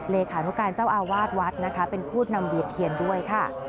เลขานุการเจ้าอาวาสวัดนะคะเป็นผู้นำเวียดเทียนด้วยค่ะ